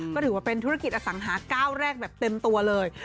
ก็ถือว่าเป็นธุรกิจอสังหาก้าวแรกแบบเต็มตัวเลย